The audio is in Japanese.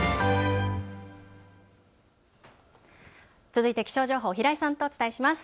続いて気象情報、平井さんとお伝えします。